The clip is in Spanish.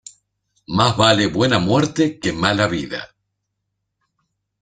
Mas vale buena muerte que mala vida.